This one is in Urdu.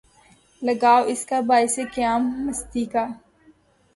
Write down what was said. لگاؤ اس کا ہے باعث قیامِ مستی کا